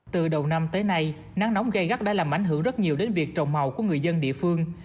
từ đầu năm tới nay nắng nóng gây gắt đã làm ảnh hưởng rất nhiều đến việc trồng màu của người dân địa phương